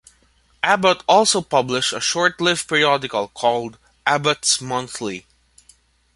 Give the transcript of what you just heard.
Abbott also published a short-lived periodical called "Abbott's Monthly".